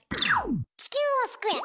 地球を救え！